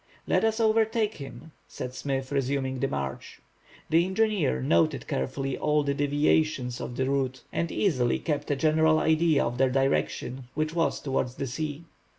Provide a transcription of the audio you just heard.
"Let us overtake him," said Smith, resuming the march. The engineer noted carefully all the deviations of the route, and easily kept a general idea of their direction, which was towards the sea.